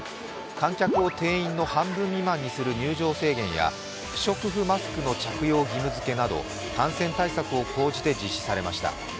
観客を定員の半分未満にする入場制限や不織布マスクの着用義務付けなど感染対策を講じて実施されました。